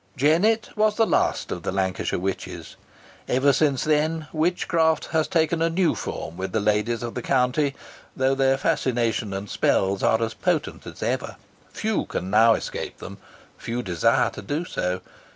Jennet was the last of the Lancashire Witches. Ever since then witchcraft has taken a new form with the ladies of the county though their fascination and spells are as potent as ever. Few can now escape them, few desire to do so.